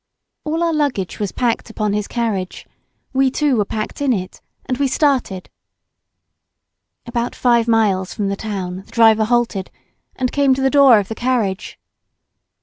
All our luggage was packed upon his carriage; we, too were packed in it, and we started. About five miles from the town the driver halted, and came to the door of the carriage.